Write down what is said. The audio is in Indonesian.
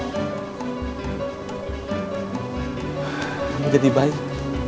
kamu jadi baik